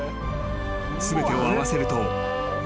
［全てを合わせると］